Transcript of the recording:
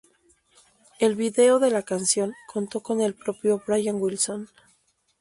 El vídeo de la canción contó con el propio Brian Wilson.